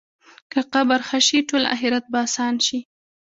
که قبر ښه شي، ټول آخرت به اسان شي.